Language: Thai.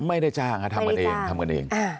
ไม่ได้จ้างทำกันเอง